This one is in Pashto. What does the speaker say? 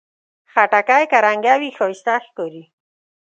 خټکی که رنګه وي، ښایسته ښکاري.